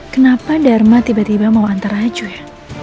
kenapa dharma tiba tiba mau antar raju ya